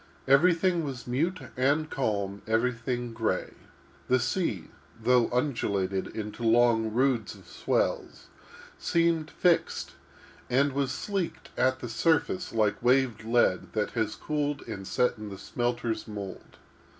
Everything was mute and calm; everything gray. The sea, though undulated into long roods of swells, seemed fixed, and was sleeked at the surface like waved lead that has cooled and set in the smelter's mould.